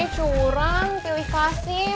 curang pilih kasih